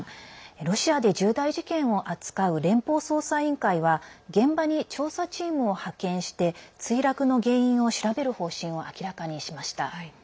ロシアで重大事件を扱う連邦捜査委員会は現場に調査チームを派遣して墜落の原因を調べる方針を明らかにしました。